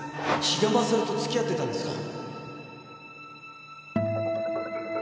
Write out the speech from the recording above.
ヒガマサルと付き合ってたんですか！？